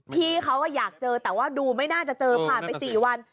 พี่เขาอยากเจอแต่ว่าดูไม่น่าจะเจอผ่านไป๔วัน